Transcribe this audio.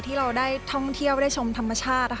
ที่เราได้ท่องเที่ยวได้ชมธรรมชาติ